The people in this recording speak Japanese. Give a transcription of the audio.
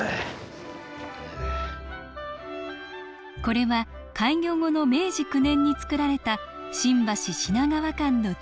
これは開業後の明治９年に作られた新橋品川間の地図。